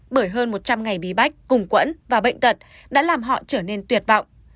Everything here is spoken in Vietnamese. bởi hơn một trăm linh ngày bí bách cùng quẫn và bệnh tật đã làm họ trở nên tuyệt vọng